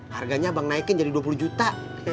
harganya bank naikin jadi dua puluh juta